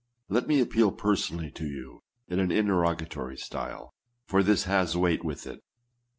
Let me appeal personally to you in an interrogatory style, for this has weight with it.